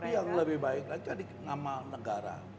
tapi yang lebih baik lagi adik nama negara